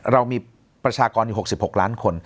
เรามีประชากรอยู่๖๖ล้านคน